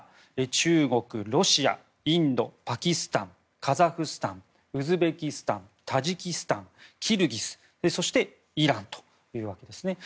中国、ロシア、インドパキスタンカザフスタン、ウズベキスタンタジキスタン、キルギスそしてイランというわけですね。